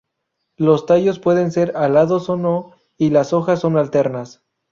Los tallos pueden ser alados o no y las hojas son alternas.